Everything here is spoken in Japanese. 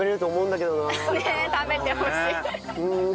ねえ食べてほしい。